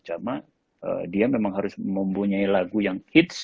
cuma dia memang harus mempunyai lagu yang hits